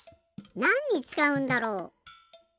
なんにつかうんだろう？